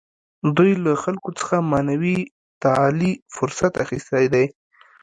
دوی له خلکو څخه معنوي تعالي فرصت اخیستی دی.